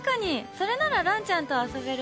それなら蘭ちゃんと遊べる。